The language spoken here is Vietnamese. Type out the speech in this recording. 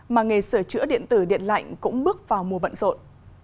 mà nghề sửa chữa điện tử điện lạnh cũng bước vào mùa bận rộn